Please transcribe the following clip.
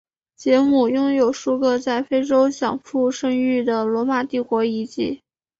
杰姆拥有数个在非洲享负盛名的罗马帝国遗迹。